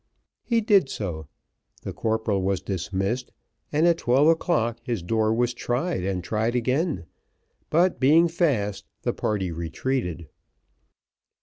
He did so, the corporal was dismissed, and at twelve o'clock his door was tried and tried again; but being fast, the party retreated.